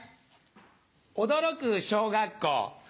驚く小学校。